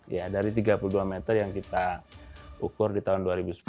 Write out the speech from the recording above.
ya dari tiga puluh dua meter yang kita ukur di tahun dua ribu sepuluh